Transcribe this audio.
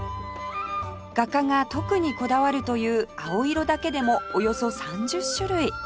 画家が特にこだわるという青色だけでもおよそ３０種類